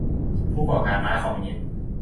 ผู้ก่อการร้ายคอมมิวนิสต์